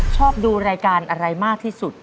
ชอบดูรายการอะไรมากที่สุด